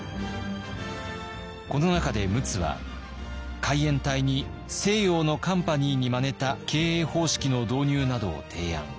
この中で陸奥は海援隊に西洋のカンパニーにまねた経営方式の導入などを提案。